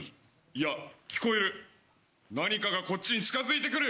いや聞こえる何かがこっちに近づいてくる。